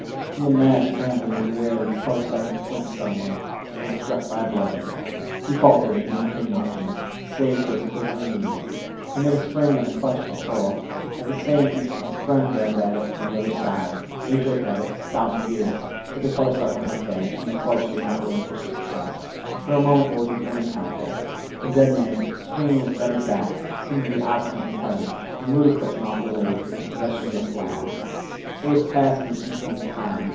In the mad scramble he was aware that the color sergeant flinched suddenly, as if struck by a bludgeon. He faltered, and then became motionless, save for his quivering knees. He made a spring and a clutch at the pole. At the same instant his friend grabbed it from the other side. They jerked at it, stout and furious, but the color sergeant was dead, and the corpse would not relinquish its trust. For a moment there was a grim encounter. The dead man, swinging with bended back, seemed to be obstinately tugging, in ludicrous and awful ways, for the possession of the flag. It was past in an instant of time.